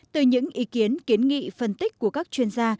từ những ý kiến kiến nghị phân tích của các chuyên gia